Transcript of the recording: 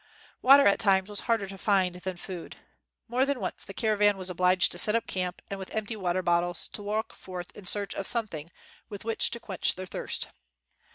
Water at times was harder to find than food. More than once the caravan was obliged to set up camp and with empty water bottles to walk forth in seach of some thing with which to quench their thirst.